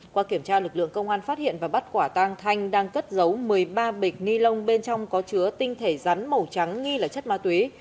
qua kiểm tra lực lượng công an phát hiện và bắt quả tang thanh đang cất giấu một mươi ba bịch ni lông bên trong có chứa tinh thể rắn màu trắng nghi là chất ma túy